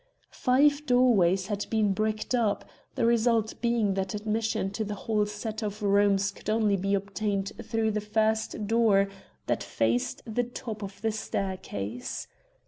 Five doorways had been bricked up, the result being that admission to the whole set of rooms could only be obtained through the first door that faced the top of the staircase.